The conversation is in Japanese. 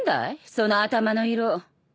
その頭の色。